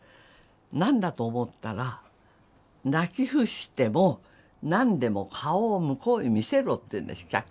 何だと思ったら「泣き伏しても何でも顔を向こうに見せろ」って言うんです客席へ。